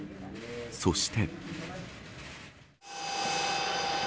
そして。